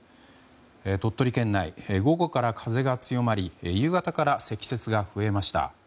鳥取県内、午後から風が強まり夕方から積雪が増えました。